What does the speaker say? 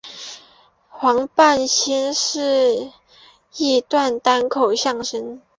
黄半仙是一段单口相声。